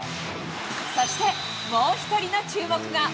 そしてもう一人の注目が。